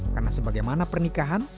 karena sebagaimana pernikahan